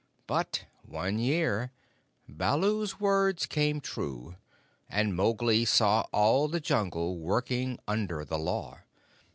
But, one year, Baloo's words came true, and Mowgli saw all the Jungle working under the Law.